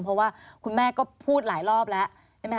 เพราะว่าคุณแม่ก็พูดหลายรอบแล้ว